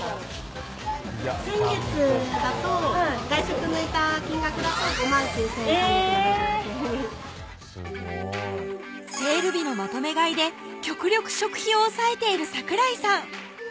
先月だと外食抜いた金額だと５９，３７６円えぇセール日のまとめ買いで極力食費を抑えている櫻井さん